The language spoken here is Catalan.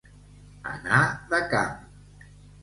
Anar de camp.